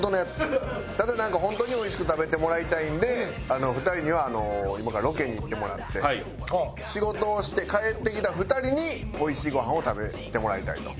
ただなんか本当においしく食べてもらいたいんで２人には今からロケに行ってもらって仕事をして帰ってきた２人においしいごはんを食べてもらいたいと。